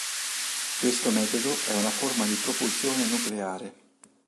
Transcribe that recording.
Questo metodo è una forma di propulsione nucleare.